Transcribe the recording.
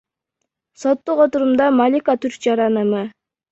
Соттук отурумда Малика түрк жараны М.